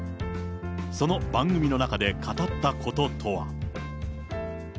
その番組の中で語ったこととは。